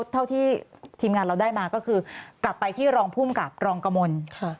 เท่าที่ทีมงานเราได้มาก็คือกลับไปที่รองภูมิกับรองกมล